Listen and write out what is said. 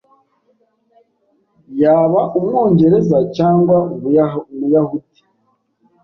Yaba Umwongereza cyangwa Umuyahudi